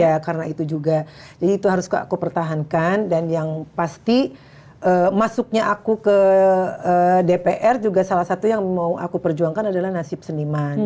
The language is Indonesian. ya karena itu juga jadi itu harus aku pertahankan dan yang pasti masuknya aku ke dpr juga salah satu yang mau aku perjuangkan adalah nasib seniman